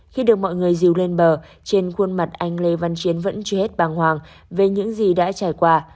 khi được mọi người diều lên bờ trên khuôn mặt anh lê văn chiến vẫn chưa hết bàng hoàng về những gì đã trải qua